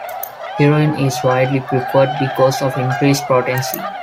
Heroin is widely preferred because of increased potency.